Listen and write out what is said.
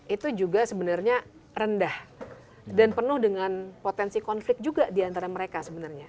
itu juga sebenarnya rendah dan penuh dengan potensi konflik juga diantara mereka sebenarnya